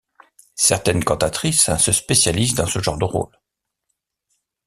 Certaines cantatrices se spécialisent dans ce genre de rôles.